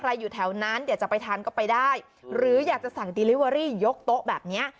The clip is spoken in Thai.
ใครอยู่แถวนั้นเดี๋ยวจะไปทานก็ไปได้หรืออยากจะสั่งยกโต๊ะแบบเนี้ย